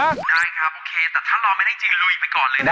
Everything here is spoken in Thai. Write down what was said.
ได้ครับโอเคแต่ถ้ารอไม่ได้จริงลุยไปก่อนเลยนะ